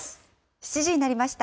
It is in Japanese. ７時になりました。